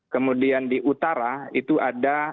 kemudian di utara itu ada